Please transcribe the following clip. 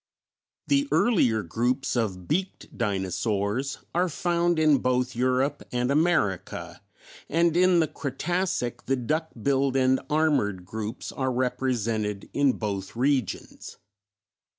The earlier groups of Beaked Dinosaurs are found in both Europe and America, and in the Cretacic the Duck billed and Armored groups are represented in both regions.